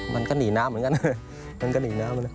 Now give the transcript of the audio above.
มันก็หนีน้ำเหมือนกัน